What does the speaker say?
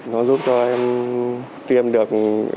nó giúp cho em tiêm được